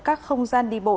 các không gian đi bộ